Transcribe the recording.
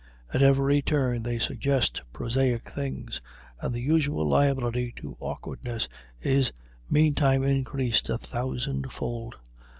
At every turn they suggest prosaic things and the usual liability to awkwardness is meantime increased a thousandfold.